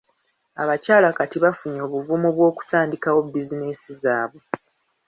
Abakyala kati bafunye obuvumu bw'okutandikawo bizinesi zaabwe.